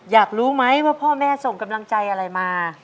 อยากรู้ไหมว่าพ่อแม่ส่งกำลังใจอะไรมา